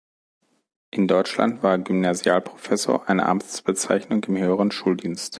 In Deutschland war Gymnasialprofessor eine Amtsbezeichnung im höheren Schuldienst.